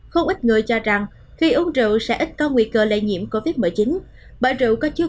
không ít người cho rằng khi uống rượu sẽ ít có nguy cơ lây nhiễm covid một mươi chín